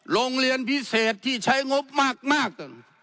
โรงเรียนพิเศษที่ใช้งบมาก